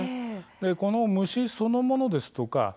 この虫そのものですとか